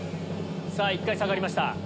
さぁ１回下がりました。